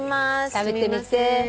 食べてみて。